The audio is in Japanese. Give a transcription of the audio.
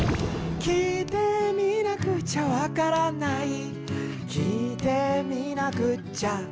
「きいてみなくちゃわからない」「きいてみなくっちゃ」